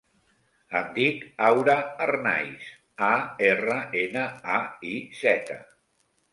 Em dic Aura Arnaiz: a, erra, ena, a, i, zeta.